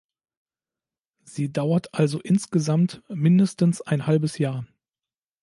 Sie dauert also insgesamt mindestens ein halbes Jahr.